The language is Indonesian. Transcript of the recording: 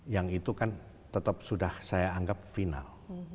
yang itu kan tetap sudah saya anggap final